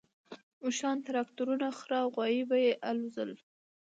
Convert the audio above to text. اوښان، تراکتورونه، خره او غوایي به یې الوزول.